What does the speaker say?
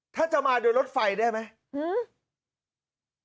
ถ้าจะมาโดยรถไฟได้ไหม